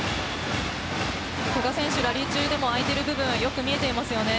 古賀選手がラリー中にも空いてる部分よく見えていますよね。